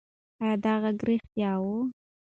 ایا دا غږ رښتیا و؟